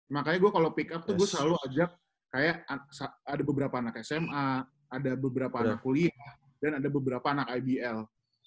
makanya gue kalau pick up tuh gue selalu ajak kayak ada beberapa anak sma ada beberapa anak kuliah dan ada beberapa anak ibl